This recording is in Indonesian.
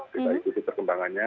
kita ikuti perkembangannya